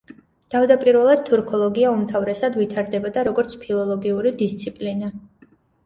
თავდაპირველად თურქოლოგია უმთავრესად ვითარდებოდა როგორც ფილოლოგიური დისციპლინა.